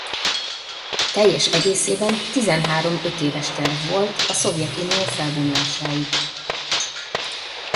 Teljes egészében tizenhárom ötéves terv volt a Szovjetunió felbomlásáig.